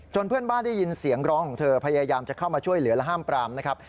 เพื่อนบ้านได้ยินเสียงร้องของเธอพยายามจะเข้ามาช่วยเหลือและห้ามปรามนะครับ